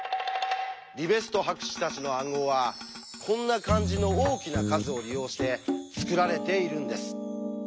リベスト博士たちの暗号はこんな感じの大きな数を利用して作られているんです。